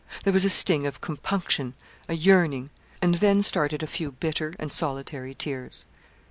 There was a sting of compunction a yearning and then started a few bitter and solitary tears.